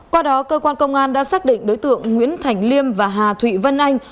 qua đó cơ quan công an đã xác định đối tượng nguyễn thành liêm và hà thụy vân anh